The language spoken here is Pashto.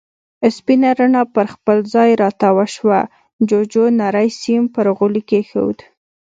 سپينه رڼا پر خپل ځای را تاوه شوه، جُوجُو نری سيم پر غولي کېښود.